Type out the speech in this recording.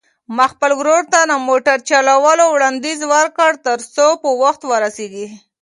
ما خپل ورور ته د موټر چلولو وړاندیز وکړ ترڅو په وخت ورسېږو.